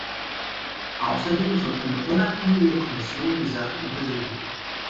Außerdem soll eine unabhängige Kommission die Sache untersuchen.